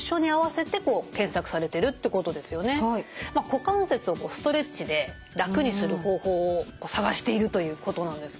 股関節をストレッチで楽にする方法を探しているということなんですかね？